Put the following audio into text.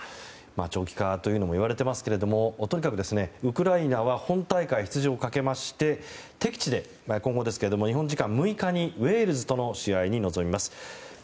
長期化というのも言われていますけどとにかく、ウクライナは本大会出場をかけまして敵地で日本時間６日にウェールズとの試合に臨みます。